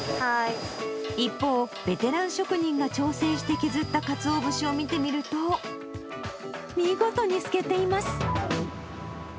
一方、ベテラン職人が調整して削ったかつお節を見てみると、見事に透けています。